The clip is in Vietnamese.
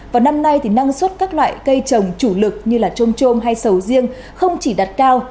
và năm nay thì năng suất các loại cây trồng chủ lực như trông trôm hay sầu riêng không chỉ đặt cao